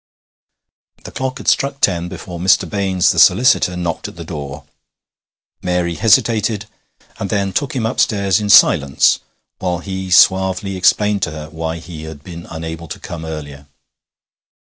The clock had struck ten before Mr. Baines, the solicitor, knocked at the door. Mary hesitated, and then took him upstairs in silence while he suavely explained to her why he had been unable to come earlier.